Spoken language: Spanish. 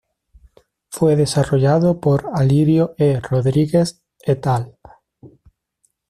Fue desarrollado por Alirio E. Rodrigues "et al.".